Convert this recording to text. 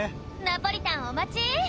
ナポリタンお待ち。